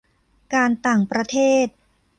การต่างประเทศ